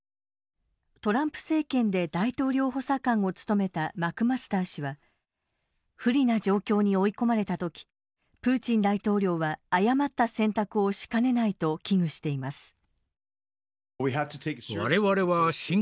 トランプ政権で大統領補佐官を務めたマクマスター氏は不利な状況に追い込まれたときプーチン大統領は誤った選択をしかねないと危惧しています。